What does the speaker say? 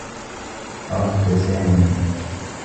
ردّ سامي.